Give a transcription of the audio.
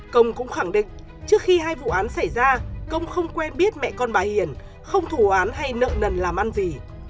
công cũng khẳng định trước khi hai vụ án xảy ra công không quen biết mẹ con bà hiền không thủ án hay nợ nần làm ăn gì